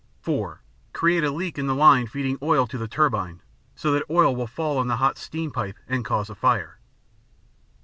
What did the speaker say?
(4) Create a leak in the line feeding oil to the turbine, so that oil will fall on the hot steam pipe and cause a fire.